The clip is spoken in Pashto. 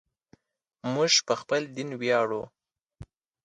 موږ په خپل دین ویاړو.